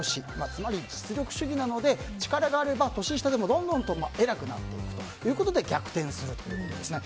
つまり実力主義なので力があればどんどん偉くなっていくということで逆転するということですね。